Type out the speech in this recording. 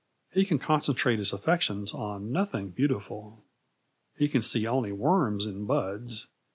He can concentrate his affections on nothing beautiful. He can see only worms in buds.